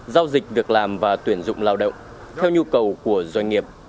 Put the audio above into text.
giao dịch việc làm và tuyển dụng lao động theo nhu cầu của doanh nghiệp